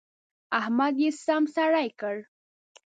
احمد يې سم سړی کړ.